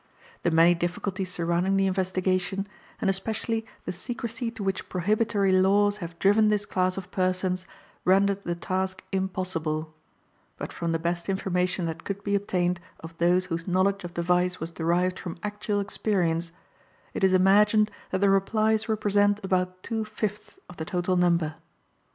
The many difficulties surrounding the investigation, and especially the secrecy to which prohibitory laws have driven this class of persons, rendered the task impossible; but, from the best information that could be obtained of those whose knowledge of the vice was derived from actual experience, it is imagined that the replies represent about two fifths of the total number.